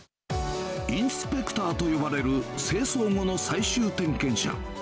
インスペクターと呼ばれる清掃後の最終点検者。